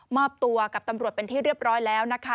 มอบตัวกับตำรวจเป็นที่เรียบร้อยแล้วนะคะ